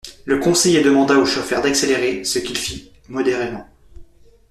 Le conseiller demanda au chauffeur d’accélérer, ce qu’il fit, modérément.